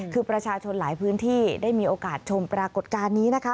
คือประชาชนหลายพื้นที่ได้มีโอกาสชมปรากฏการณ์นี้นะคะ